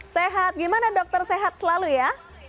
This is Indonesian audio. sehat gimana dokter sehat selalu ya